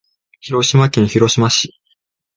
広島県広島市